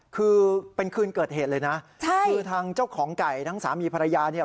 คือเป็นคืนเกิดเหตุเลยนะใช่คือทางเจ้าของไก่ทั้งสามีภรรยาเนี่ย